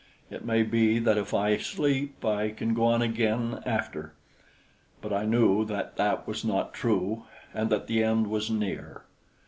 It may be that if I sleep, I can go on again after," but I knew that that was not true, and that the end was near.